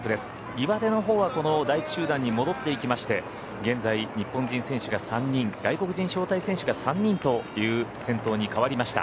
岩出のほうはこの第１集団に戻っていきまして現在、日本人選手が３人外国人招待選手が３人という先頭に変わりました。